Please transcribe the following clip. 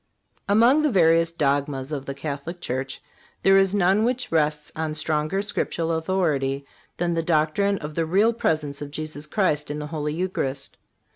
Among the various dogmas of the Catholic Church there is none which rests on stronger Scriptural authority than the doctrine of the Real Presence of Jesus Christ in the Holy Eucharist.